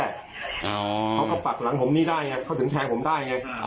เขาก็ปักหลังผมไม่ได้ไงเขาถึงแทงผมได้ไง